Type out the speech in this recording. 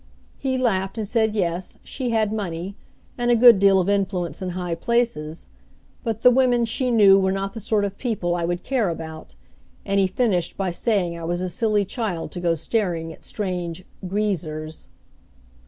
He laughed and said yes, she had money, and a good deal of influence in high places, but the women she knew were not the sort of people I would care about; and he finished by saying I was a silly child to go staring at strange "greasers."